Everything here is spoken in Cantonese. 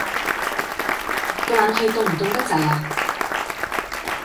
個冷氣凍唔凍得滯呀？